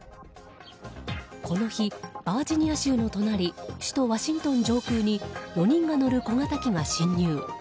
この日、バージニア州の隣首都ワシントン上空に４人が乗る小型機が侵入。